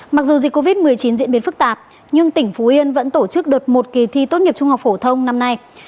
mặc dù dịch covid một mươi chín diễn biến phức tạp nhưng tỉnh phú yên vẫn tổ chức đợt một kỳ thi tốt nghiệp trung học phổ thông năm nay